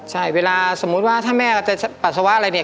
ใช่เวลาสมมุติว่าถ้าแม่จะปัสสาวะอะไรเนี่ย